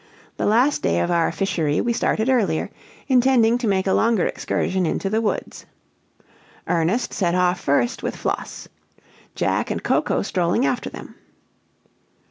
The last day of our fishery we started earlier, intending to make a longer excursion into the woods. Ernest set off first with Floss; Jack and Coco strolling after them.